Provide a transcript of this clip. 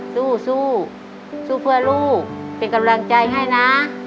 สู้สู้สู้เพื่อลูกเป็นกำลังใจให้นะ